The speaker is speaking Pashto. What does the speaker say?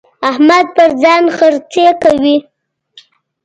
احمد پر ځان خرڅې کوي.